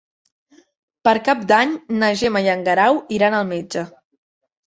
Per Cap d'Any na Gemma i en Guerau iran al metge.